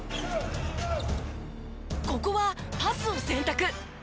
ここはパスを選択。